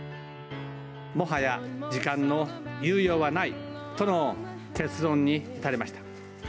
もはや時間の猶予はないとの結論に至りました。